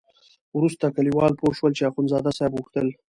وروسته کلیوال پوه شول چې اخندزاده صاحب غوښتل.